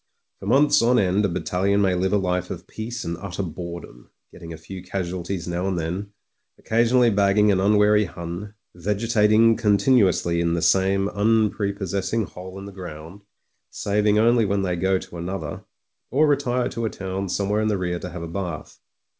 For months on end a battalion may live a life of peace and utter bore dom, getting a few casualties now and then, occa sionally bagging an unwary Hun, vegetating con tinuously in the same tmprepossessing hole in the ground — saving only when they go to another, or retire to a town somewhere in rear to have a bath.